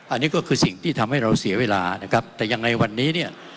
อันนี้ก็คือสิ่งที่ทำให้เราเสียเวลานะครับแต่ยังไงวันนี้เนี่ย